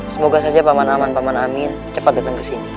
semoga saja paman aman paman amin cepat datang kesini